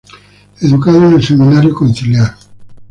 Educado en el Seminario Conciliar.